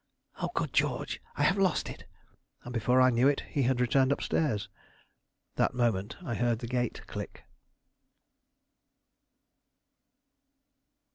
Good George, I have lost it!" And before I knew it, he had returned up stairs. That moment I heard the gate click.